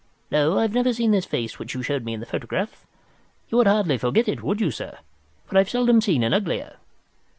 No, I have never seen this face which you show me in the photograph. You would hardly forget it, would you, sir, for I've seldom seen an uglier.